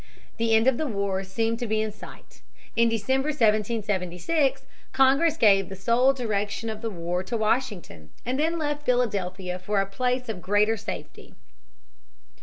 The end of the war seemed to be in sight. In December, 1776, Congress gave the sole direction of the war to Washington and then left Philadelphia for a place of greater safety.